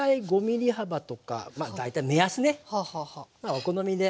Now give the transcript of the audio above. お好みで。